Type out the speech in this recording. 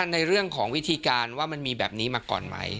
ในเรื่องของวิธีการว่ามันมีแบบนี้มาก่อนไหม